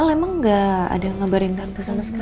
emang gak ada yang ngabarin bantu sama sekali